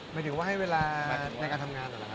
หมายถึงว่าให้เวลาในการทำงานเหรอครับ